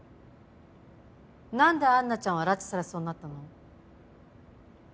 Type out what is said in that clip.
何でアンナちゃんは拉致されそうになったの？